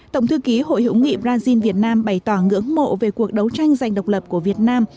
tổng thư ký hội hữu nghị brazil việt nam bày tỏ ngưỡng mộ về cuộc đấu tranh giành độc lập của việt nam